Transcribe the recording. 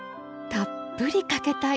たっぷりかけたい！